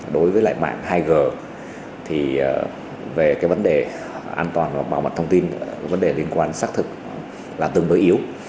là cái mạng hai g thì về cái vấn đề an toàn và bảo mật thông tin vấn đề liên quan xác thực là từng đối yếu